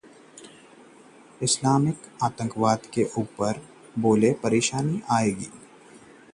UP: stamp paper खरीद में पुराने नोट न चलने से परेशानी में आए लोग